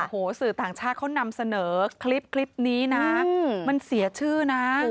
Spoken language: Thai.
โอ้โหสื่อต่างชาติเขานำเสนอคลิปนี้นะมันเสียชื่อนะ